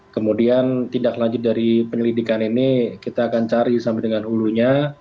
kemudian tindak lanjut dari penyelidikan ini kita akan cari sampai dengan hulunya